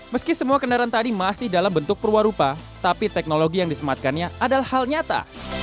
meski semua kendaraan tadi masih dalam bentuk perwarupa tapi teknologi yang disematkannya adalah hal nyata